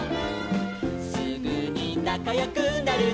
「すぐになかよくなるの」